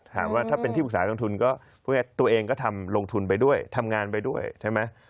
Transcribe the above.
ถามว่าถ้าเป็นที่ปรึกษาลงทุนก็พูดง่ายตัวเองก็ทำลงทุนไปด้วยทำงานไปด้วยใช่ไหม